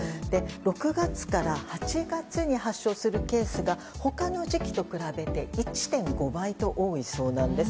６月から８月に発症するケースが他の時期と比べて１．５倍と多いそうなんです。